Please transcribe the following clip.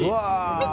見て！